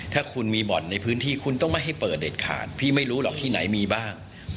ถ้าคุณมีบ่อนในพื้นที่คุณต้องไม่ให้เปิดเด็ดขาดพี่ไม่รู้หรอกที่ไหนมีบ้าง